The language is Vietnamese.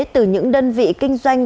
từ những đơn vị kinh doanh